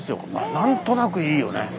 何となくいいよね。